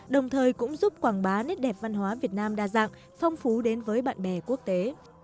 đồng thời cũng giúp quảng bá nét đẹp văn hóa việt nam đa dạng phong phú đến với bạn bè quốc tế